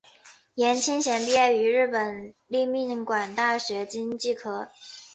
颜钦贤毕业于日本立命馆大学经济科。